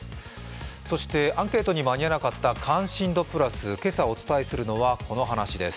そしてアンケートに間に合わなかった「関心度プラス」、今朝お伝えするのは、この話です。